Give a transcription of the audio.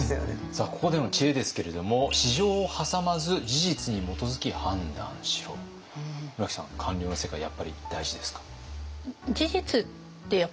さあここでの知恵ですけれども村木さん官僚の世界やっぱり大事ですか？